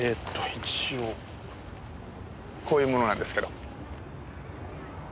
一応こういう者なんですけど。